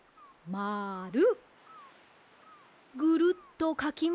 まる。